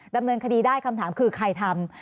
ดำเนินคดีได้คำถามคือใครทำ